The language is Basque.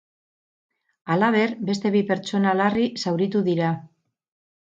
Halaber, beste bi pertsona larri zauritu dira.